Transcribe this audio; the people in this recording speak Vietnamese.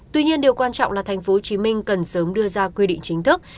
tuy nhiên điều quan trọng là tp hcm cần sớm đưa ra quy định chính thức